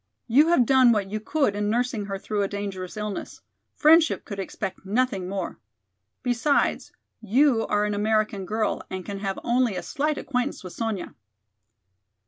"You have done what you could in nursing her through a dangerous illness; friendship could expect nothing more. Besides, you are an American girl and can have only a slight acquaintance with Sonya."